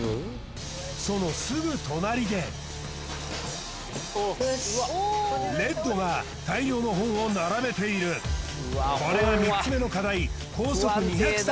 そのすぐ隣でレッドが大量の本を並べているこれが３つ目の課題